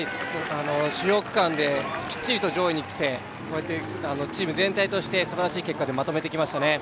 主要区間できっちりと上位に来て、こうやってチーム全体としてすばらしい結果でまとめてきましたね。